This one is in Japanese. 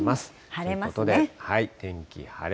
ということで、天気晴れ。